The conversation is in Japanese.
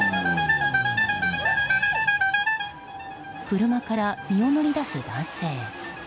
車から身を乗り出す男性。